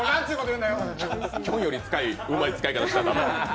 きょんよりうまい使い方したら駄目。